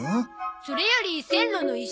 それより線路の石。